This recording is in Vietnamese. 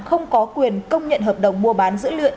không có quyền công nhận hợp đồng mua bán dữ liệu